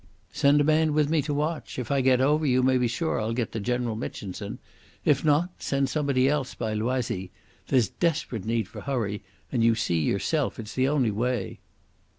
"Send a man with me to watch. If I get over, you may be sure I'll get to General Mitchinson. If not, send somebody else by Loisy. There's desperate need for hurry, and you see yourself it's the only way."